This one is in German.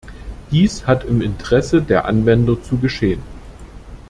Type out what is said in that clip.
Dies hat im Interesse der Anwender zu geschehen.